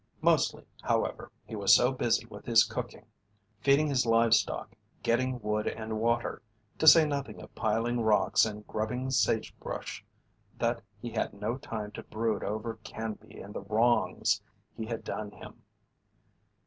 Mostly, however, he was so busy with his cooking, feeding his livestock, getting wood and water, to say nothing of piling rocks and grubbing sagebrush that he had no time to brood over Canby and the wrongs he had done him.